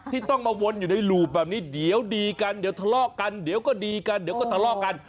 ที่ต้องมาวนอยู่ในหลูบแบบนี้เดี๋ยวดีกันเดี๋ยวทะเลาะกันเดี๋ยวก็ดีกันเดี๋ยวก็ทะเลาะกัน